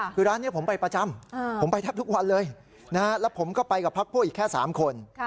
คือร้านนี้ผมไปประจำผมไปแทบทุกวันเลยแล้วผมก็ไปกับพักพวกอีกแค่๓คน